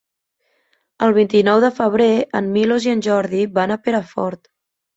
El vint-i-nou de febrer en Milos i en Jordi van a Perafort.